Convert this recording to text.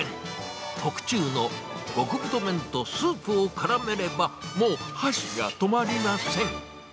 特注の極太麺とスープをからめれば、もう箸が止まりません。